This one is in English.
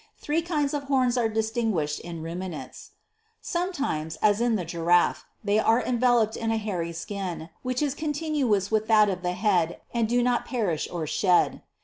Three kinds of horns are distinguished in Ruminants. 23. Sometimes, as in the Giraffe, they are enveloped in a hairy skin, which is continuous with that of the head, and do not perish or shed.